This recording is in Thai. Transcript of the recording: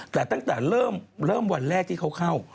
แต่ตั้งแต่เริ่มวันแรกที่เขาเข้า